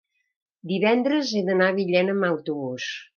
Divendres he d'anar a Villena amb autobús.